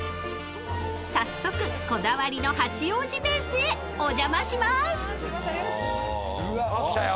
［早速こだわりの八王子ベースへお邪魔します］来たよ